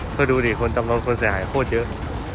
ก็ดูดิคนตำรวจคนเสียหายโคตรเยอะ